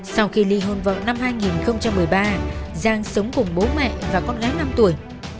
sau khi ly hôn vào năm hai nghìn một mươi ba giang sống cùng bố mẹ và con gái năm tuổi